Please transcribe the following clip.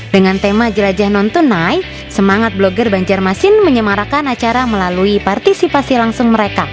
dengan tema jelajah non tunai semangat blogger banjarmasin menyemarakan acara melalui partisipasi langsung mereka